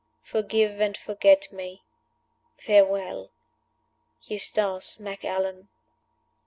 Forgive and forget me. Farewell. "EUSTACE MACALLAN."